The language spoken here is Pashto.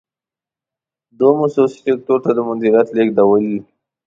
دوهم: خصوصي سکتور ته د مدیریت لیږدول.